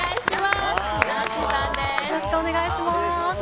よろしくお願いします。